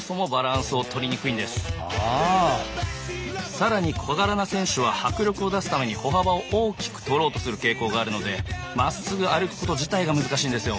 更に小柄な選手は迫力を出すために歩幅を大きく取ろうとする傾向があるのでまっすぐ歩くこと自体が難しいんですよ。